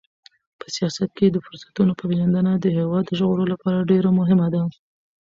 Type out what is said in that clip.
په سیاست کې د فرصتونو پیژندنه د هېواد د ژغورلو لپاره ډېره مهمه ده.